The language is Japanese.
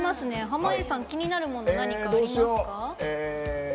濱家さん、気になるもの何かありますか？